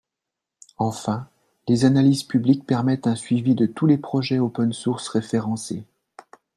Enfin, les analyses publiques permettent un suivi de tous les projets OpenSource référencés.